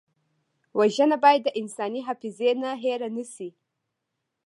وژنه باید د انساني حافظې نه هېره نه شي